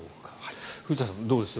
藤田さん、どうです？